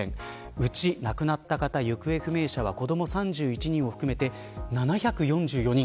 うち、亡くなった方と行方不明者は子ども３１人を含めて７４４人。